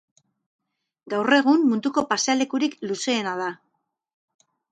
Gaur egun, munduko pasealekurik luzeena da.